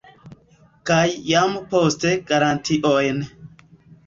Kaj jam poste garantiojn.